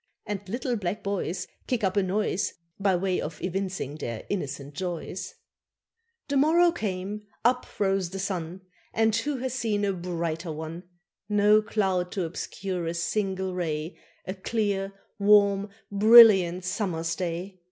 And little black boys Kick up a noise By way of evincing their innocent joys. The morrow came, up rose the sun, And who hath seen a brighter one? No cloud to obscure a single ray, A clear, warm, brilliant summer's day.